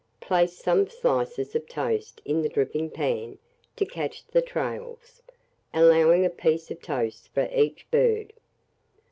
Place some slices of toast in the dripping pan to catch the trails, allowing a piece of toast for each bird.